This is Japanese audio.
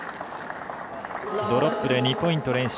ドロップで２ポイント連取。